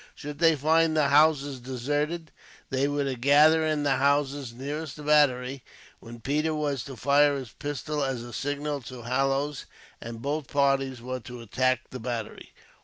Should they find the houses deserted, they were to gather in the houses nearest the battery, when Peters was to fire his pistol as a signal to Hallowes, and both parties were to attack the battery.